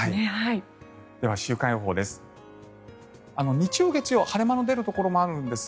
では、週間予報です。